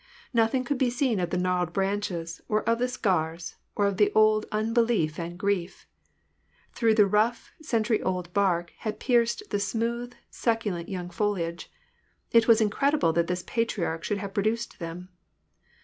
Nothing could be seen of the gnarled branches, or of the scars, or of the old unbelief and grief. Through the rough, century old bark had pierced the smooth, succulent young foliage: it was incredible that this patriarch should have produced them.